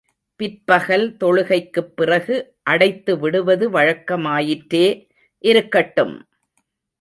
பிற்பகல் தொழுகைக்குப் பிறகு அடைத்துவிடுவது வழக்கமாயிற்றே! இருக்கட்டும்!